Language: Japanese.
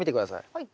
はい。